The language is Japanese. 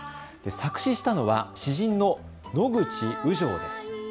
作詞したのは詩人の野口雨情です。